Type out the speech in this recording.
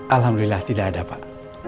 alhamdulillah tidak ada pak